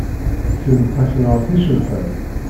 Kemm d taknart icebḥen.